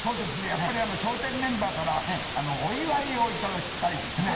やっぱり笑点メンバーからお祝いを頂きたいですね。